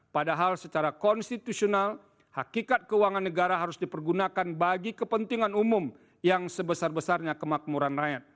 padahal secara konstitusional hakikat keuangan negara harus dipergunakan bagi kepentingan umum yang sebesar besarnya kemakmuran rakyat